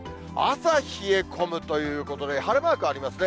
朝冷え込むということで、晴れマークありますね。